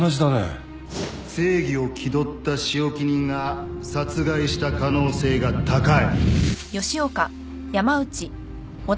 正義を気取った仕置き人が殺害した可能性が高い